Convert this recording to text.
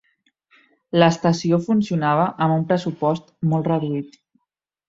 L'estació funcionava amb un pressupost molt reduït.